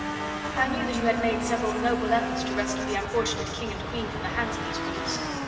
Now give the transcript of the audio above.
"I knew that you had made several noble efforts to rescue the unfortunate King and Queen from the hands of these brutes."